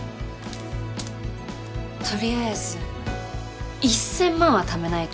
取りあえず１，０００万はためないとね。